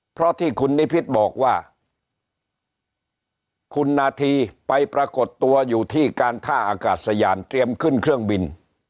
เพราะที่คุณนิพิษบอกว่าคุณนาธีไปปรากฏตัวอยู่ที่การท่าอากาศยานเตรียมขึ้นเครื่องบิน